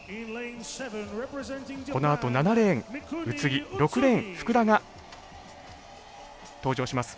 このあと７レーン、宇津木６レーン、福田が登場します。